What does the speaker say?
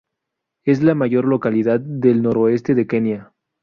Es la mayor localidad del noroeste de Kenia.